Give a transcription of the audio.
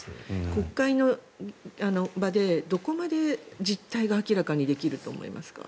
国会の場でどこまで実態が明らかにできると思いますか？